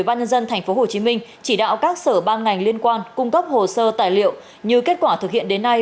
bộ công an chỉ đạo các sở ban ngành liên quan cung cấp hồ sơ tài liệu như kết quả thực hiện đến nay